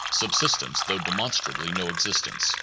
253) subsistence though demonstrably no ex istence.